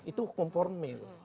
itu hukum formil